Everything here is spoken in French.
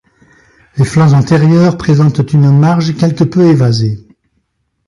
Les flancs antérieurs présentent une marge quelque peu évasée.